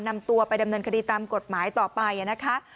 นำตัวไปดำเนินคดีตามกฎหมายต่อไปนะคะ